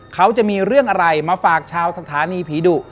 เขาจะมีเรื่องอะไรมาฝากชาวสถานีผีดุ